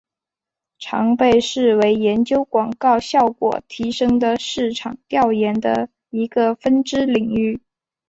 常被视为研究广告效果提升的市场调研的一个分支领域。